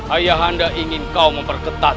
ayah anda ingin kau memperketat